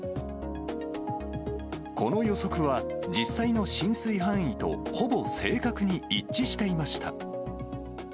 この予測は、実際の浸水範囲とほぼ正確に一致していました。